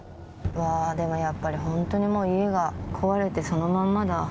わー、でもやっぱり本当にもう家が壊れてそのまんまだ。